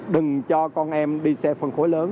đừng cho con em đi xe phân khối lớn